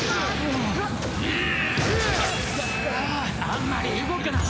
あんまり動くな！